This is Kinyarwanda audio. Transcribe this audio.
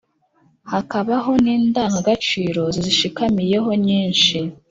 hakabaho n’indangagaciro zizishamikiyeho nyinshi